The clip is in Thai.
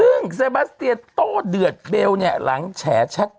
หลังของเซบาสเตียนโตะเดือดเบลเนี่ยหลังแฉชัก